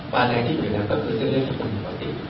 ปานแดงที่อยู่ในนั้นก็คือเส้นเลือดสกุลปกติ